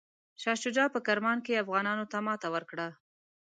شاه شجاع په کرمان کې افغانانو ته ماته ورکړه.